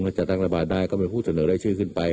ถ้าจะตั้งระบาดได้ก็เป็นผู้เสนอได้ชื่อขึ้นไป